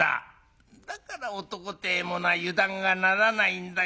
だから男てえものは油断がならないんだよ